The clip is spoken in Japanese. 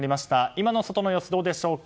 今の外の様子はどうでしょうか。